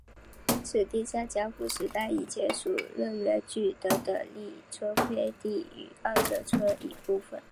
此地在江户时代以前属荏原郡等等力村飞地与奥泽村一部分。